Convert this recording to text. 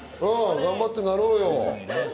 頑張ってなろうよ。